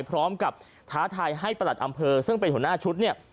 ท้าทายให้ประหลัดอำเภอซึ่งเป็นหัวหน้าชุดเนี่ย